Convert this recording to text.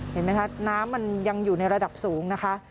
เห็นไหมคะน้ำมันยังอยู่ในระดับสูงนะคะ